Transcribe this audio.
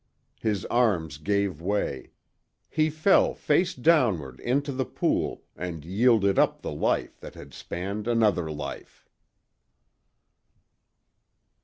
His arms gave way; he fell, face downward, into the pool and yielded up the life that had spanned another life.